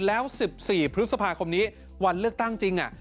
แล้ว๑๔พฤษภาคมนี้วันเลือกตั้งจริง